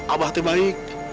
abah teh baik